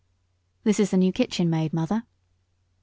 "This is the new kitchen maid, mother."